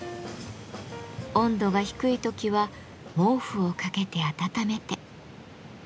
温度が低い時は毛布をかけて温めて。